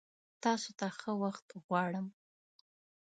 تاسو ته ښه وخت غوړم!